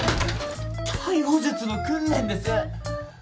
逮捕術の訓練です。